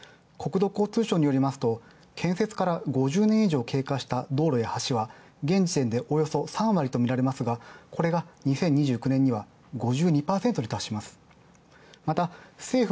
国土交通省によると建設から５０年以上経過した道路や橋は、３割と見られるがこれが２０２９年には５２％に達します。